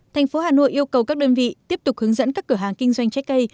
thành phố hà nội yêu cầu các đơn vị tiếp tục hướng dẫn các cửa hàng kinh doanh trái cây